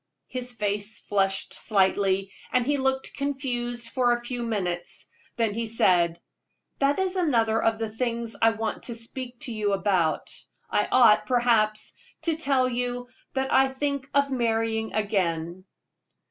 His face flushed slightly, and he looked confused for a few moments. Then he said: "That is another of the things I want to speak to you about. I ought, perhaps, to tell you that I think of marrying again."